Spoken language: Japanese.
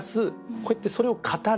こうやってそれを「語れる」。